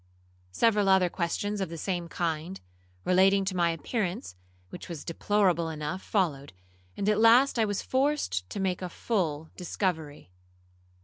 Several other questions of the same kind, relating to my appearance, which was deplorable enough, followed, and at last I was forced to make a full discovery.